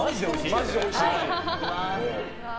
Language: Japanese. マジでおいしいです。